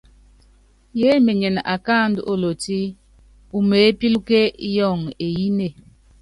Yeémenyene akáandú olotí umeépílúke yɔŋɔ eyínée.